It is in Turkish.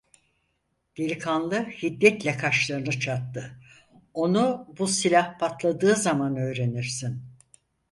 Delikanlı hiddetle kaşlarını çattı: - Onu bu silah patladığı zaman öğrenirsin!